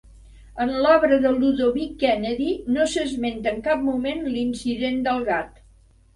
En l'obra de Ludovic Kennedy no s'esmenta en cap moment l'incident del gat.